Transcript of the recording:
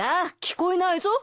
聞こえないぞ。